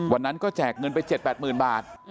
วันนั้นก็แจกเงินไป๗๘๐๐๐บาท